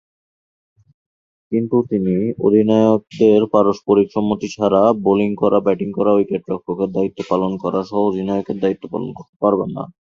কিন্তু তিনি অধিনায়কদের পারস্পরিক সম্মতি ছাড়া বোলিং করা, ব্যাটিং করা, উইকেট-রক্ষকের দায়িত্ব পালন করাসহ অধিনায়কের দায়িত্ব পালন করতে পারবেন না।